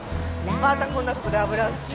またこんなとこで油売って。